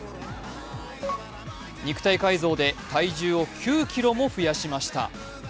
肉体改造で体重を９ｋｇも増やしました。